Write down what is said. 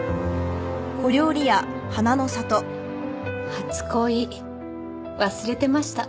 初恋忘れてました。